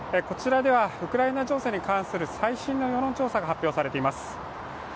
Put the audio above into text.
こちらではウクライナ情勢に関する最新の世論調査が発表されています。